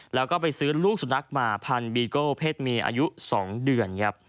แล้วก็ไปซื้อลูกสุนัขมาพันบีโก้เพศเมียอายุ๒เดือนครับ